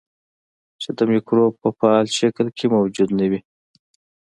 چې د مکروب په فعال شکل کې موجود نه وي.